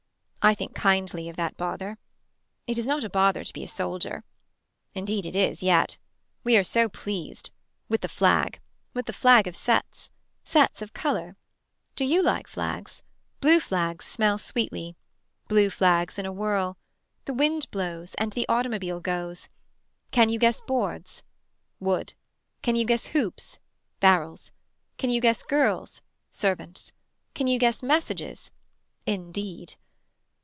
I think kindly of that bother. It is not a bother to be a soldier. Indeed it is yet. We are so pleased. With the flag. With the flag of sets. Sets of color Do you like flags. Blue flags smell sweetly. Blue flags in a whirl. The wind blows And the automobile goes. Can you guess boards. Wood. Can you guess hoops. Barrels. Can you guess girls. Servants. Can you guess messages. In deed.